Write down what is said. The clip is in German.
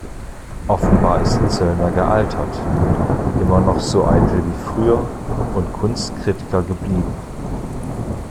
Offenbar ist Zöllner gealtert, immer noch so eitel wie früher und Kunstkritiker geblieben.